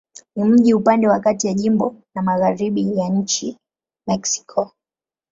Ni mji upande wa kati ya jimbo na magharibi ya nchi Mexiko.